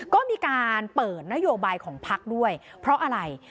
ก็มีการเปิดนโยบายของพักด้วยเพราะอะไร